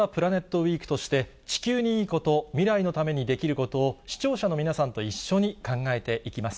ウィークとして地球にいいこと、未来のためにできることを、視聴者の皆さんと一緒に考えていきます。